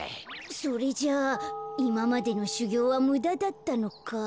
それじゃあいままでのしゅぎょうはむだだったのか。